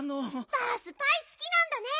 バースパイすきなんだね。